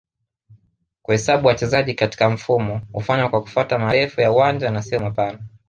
kuhesabu wachezaji katika mfumo hufanywa kwa kufuata marefu ya uwanja na sio mapana